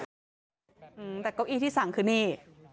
เก้าอี้ที่สั่งคือนี่